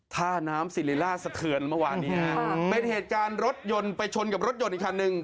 ท่าน้ำศิริราชสะเทือนเมื่อวานนี้ฮะเป็นเหตุการณ์รถยนต์ไปชนกับรถยนต์อีกคันหนึ่ง